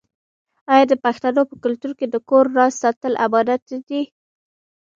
آیا د پښتنو په کلتور کې د کور راز ساتل امانت نه دی؟